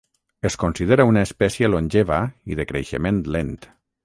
Es considera una espècie longeva i de creixement lent.